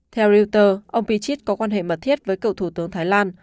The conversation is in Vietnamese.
theo reuters ông pichit có quan hệ mật thiết với cựu thủ tướng thái lan